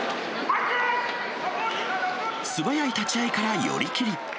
素早い立ち合いから寄り切り。